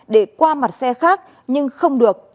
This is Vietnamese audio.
để qua mặt xe khác nhưng không được